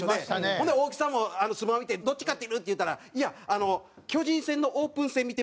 ほんで大木さんもスマホ見て「どっち勝ってる？」って言うたら「いや巨人戦のオープン戦見てます」って。